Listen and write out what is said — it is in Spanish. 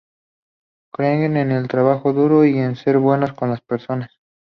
Creen en el trabajo duro y en ser buenos con las personas.